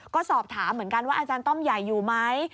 ก็สอบถามเหมือนกันว่าอาจารย์ต้อมใหญ่อยู่ไหม